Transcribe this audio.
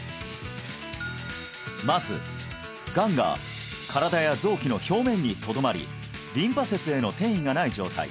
まずがんが身体や臓器の表面にとどまりリンパ節への転移がない状態